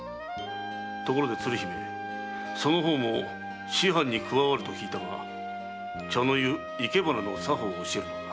ところで鶴姫その方も師範に加わると聞いたが茶の湯生け花の作法を教えるのか？